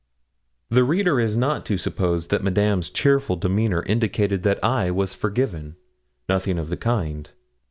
The reader is not to suppose that Madame's cheerful demeanour indicated that I was forgiven. Nothing of the kind.